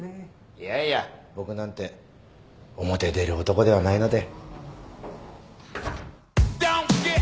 いやいや僕なんて表出る男ではないので。